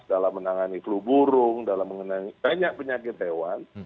dalam menangani flu burung dalam mengenai banyak penyakit hewan